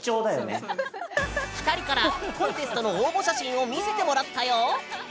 ２人からコンテストの応募写真を見せてもらったよ。